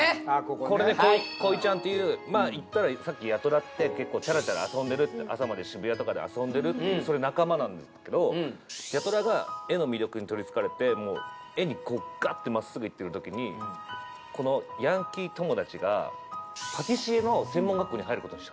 これね恋ちゃんっていうまあいったらさっき八虎って結構チャラチャラ遊んでるって朝まで渋谷とかで遊んでるっていうそれ仲間なんだけど八虎が絵の魅力に取り憑かれて絵にこうガッてまっすぐいってる時にこのヤンキー友達がパティシエの専門学校に入ることにしたと。